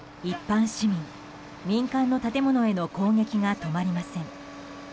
一般市民、民間の建物への攻撃が止まりません。